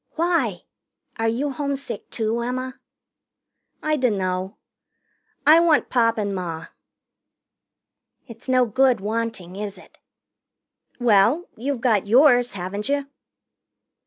"Why? Are you homesick, too, Emma?" "I dunno. I want Pop and Ma." "It's no good wanting, is it?" "Well, you've got yours, haven't you?"